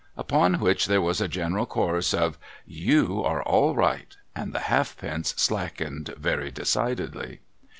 Upon which there was a general chorus of ' Vou are all right,' and the halfpence slackened very decidedly.